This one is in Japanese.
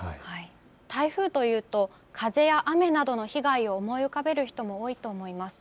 台風というと風や雨などの被害を思い浮かべる人も多いと思います。